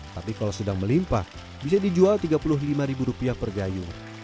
tapi kalau sedang melimpah bisa dijual rp tiga puluh lima per gayung